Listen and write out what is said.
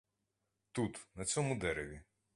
Тут, на цьому дереві.